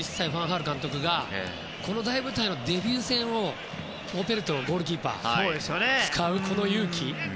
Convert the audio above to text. ハール監督がこの大舞台でデビュー戦のノペルトをゴールキーパーに使うという勇気が。